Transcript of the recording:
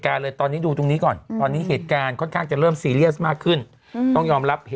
การณ์เลยตอนนี้ดูตรงนี้ก่อนตอนนี้จะคลอดค่า